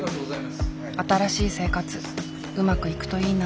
新しい生活うまくいくといいな。